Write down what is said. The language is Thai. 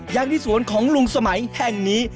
อย่างที่สวนของลุงสมัยแห่งนี้